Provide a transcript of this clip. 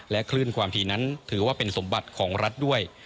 คลื่นความถี่นั้นถือว่าเป็นสมบัติของรัฐด้วย